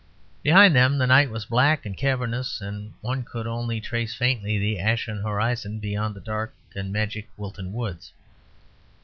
Behind them the night was black and cavernous; and one could only trace faintly the ashen horizon beyond the dark and magic Wilton Woods.